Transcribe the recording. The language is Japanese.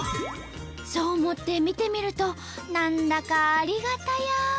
そう思って見てみると何だかありがたや。